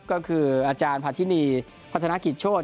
ก็คืออาจารย์พัฒนิผัฒนากิจโชช